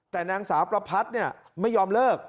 แต่นางสาวประพัดไม่ยอมเลิก